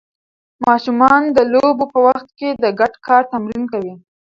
ماشومان د لوبو په وخت کې د ګډ کار تمرین کوي.